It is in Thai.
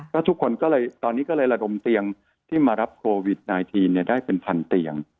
แล้วทุกคนตอนนี้ก็เลยระดมเตียงที่มารับโควิด๑๙ได้เป็น๑๐๐๐เตียง